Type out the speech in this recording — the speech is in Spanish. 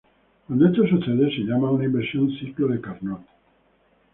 Cuando esto sucede, se llama una inversión ciclo de Carnot.